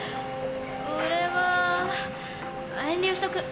俺は遠慮しとく。